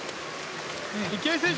池江選手